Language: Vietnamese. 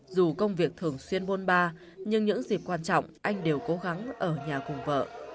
dù công việc thường xuyên buôn ba nhưng những dịp quan trọng anh đều cố gắng ở nhà cùng vợ